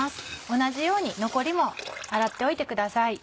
同じように残りも洗っておいてください。